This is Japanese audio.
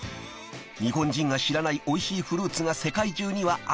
［日本人が知らないおいしいフルーツが世界中にはある！］